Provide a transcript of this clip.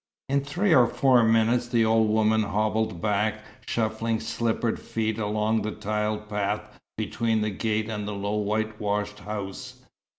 In three or four minutes the old woman hobbled back, shuffling slippered feet along the tiled path between the gate and the low whitewashed house.